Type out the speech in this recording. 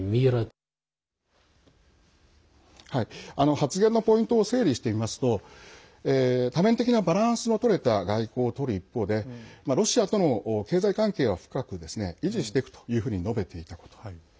発言のポイントを整理してみますと多面的なバランスのとれた外交をとる一方でロシアとの経済関係は深く維持していくというふうに述べていたこと。